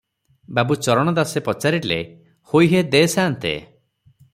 ବାବୁ ଚରଣ ଦାସେ ପଚାରିଲେ, "ହୋଇ ହେ ଦେ ସାନ୍ତେ ।